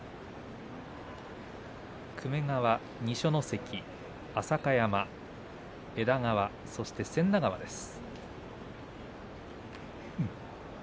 粂川二所ノ関、浅香山枝川、そして千田川です。